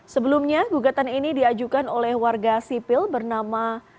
sebelumnya gugatan ini diajukan oleh warga sipil bernama